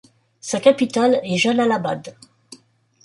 Sa capitale est Jalalabad.